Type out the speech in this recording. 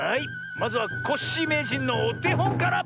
まずはコッシーめいじんのおてほんから。